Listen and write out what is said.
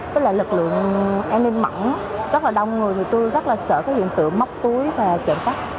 tức là lực lượng an ninh mẳng rất là đông người thì tôi rất là sợ cái diện tượng móc túi và trộm khách